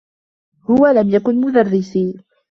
هو لم يكن مدرّسي.